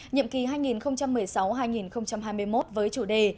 nhiệm kỳ hai nghìn một mươi sáu hai nghìn hai mươi một với chủ đề